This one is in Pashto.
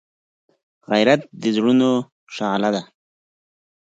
غیرت د زړونو شعله ده